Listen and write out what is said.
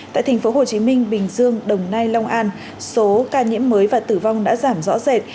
tại thành phố hồ chí minh bình dương đồng nai long an số ca nhiễm mới và tử vong đã giảm rõ rệt